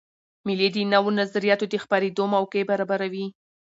مېلې د نوو نظریاتو د خپرېدو موقع برابروي.